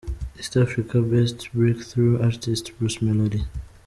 East Africa Best Breakthrough Artist Bruce Melodie.